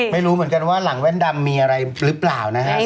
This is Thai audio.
แบบนึงก็ได้ว่าเขาใช้ชีวิตแบบเจ๋ง